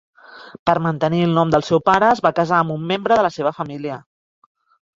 Per mantenir el nom del seu pare, es va casar amb un membre de la seva família.